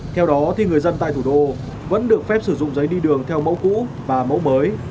theo đó thì người dân tại thủ đô vẫn được phép sử dụng giấy đi đường theo mẫu cũ và mẫu mới